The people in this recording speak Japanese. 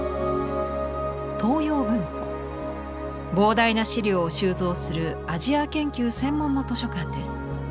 膨大な資料を収蔵するアジア研究専門の図書館です。